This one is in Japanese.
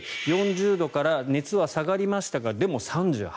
４０度から熱は下がりましたがでも、３８度。